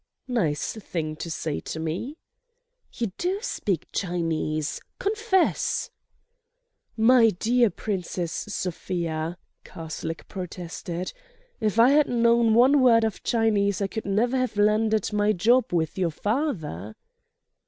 "Nice thing to say to me." "You do speak Chinese—confess." "My dear Princess Sofia," Karslake protested: "if I had known one word of Chinese I could never have landed my job with your father."